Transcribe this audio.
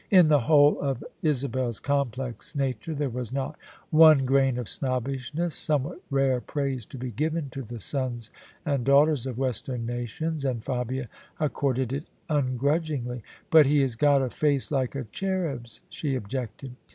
In the whole of Isabel's complex nature there was not one [431 THE SUBJECTION OF ISABEL CARNABY grain of snobbishness: somewhat rare praise to be given to the sons and daughters of Western nations, and Fabia ac corded it ungrudgingly. " But he has got a face like a cherub's," she objected.